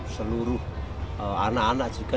seluruh anak anak juga